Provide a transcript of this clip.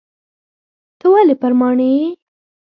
ته ولي پر ماڼي یې ؟